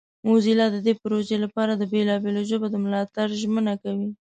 موزیلا د دې پروژې لپاره د بیلابیلو ژبو د ملاتړ ژمنه کوي.